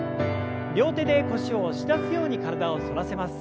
両手で腰を押し出すように体を反らせます。